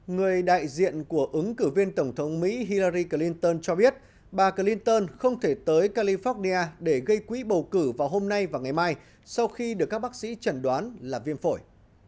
người đại diện của ứng cử viên tổng thống mỹ hillari clinton cho biết bà clinton không thể tới california để gây quỹ bầu cử vào hôm nay và ngày mai sau khi được các bác sĩ chẩn đoán là viêm phổi